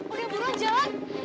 oh ya buruan jalan